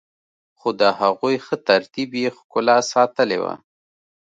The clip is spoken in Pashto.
خو د هغوی ښه ترتیب يې ښکلا ساتلي وه.